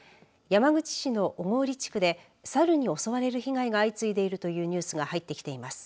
山口市の小郡地区でサルに襲われる被害が相次いでいるというニュースが入ってきています。